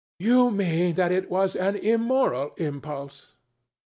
ANA. You mean that it was an immoral impulse.